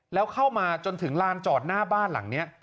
แล้วเข้ามาจนถึงลานจอดหน้าบ้านหลังนี้